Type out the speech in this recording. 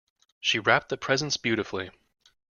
She wrapped the presents beautifully.